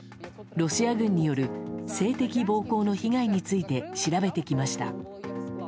ロシア軍による性的暴行の被害について調べてきました。